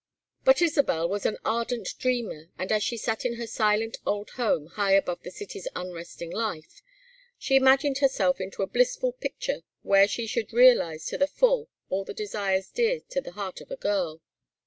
But Isabel was an ardent dreamer, and as she sat in her silent old home, high above the city's unresting life, she imagined herself into a blissful picture where she should realize to the full all the desires dear to the heart of a girl.